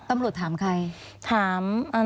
มันจอดอย่างง่ายอย่างง่าย